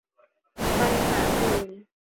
ปัญหาอื่น